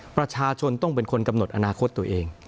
ประชาชนต้องเป็นคนกำหนดอนาคตตัวเอง